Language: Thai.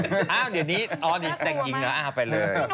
เอ้าเดี๋ยวนี่ในเมื่อตัวใหม่เอ้าเกรอเอาไปเลย